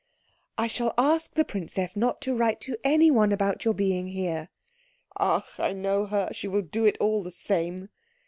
"I shall ask the princess not to write to anyone about your being here." "Ach, I know her she will do it all the same."